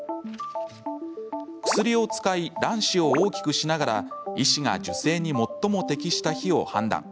薬を使い卵子を大きくしながら医師が授精に最も適した日を判断。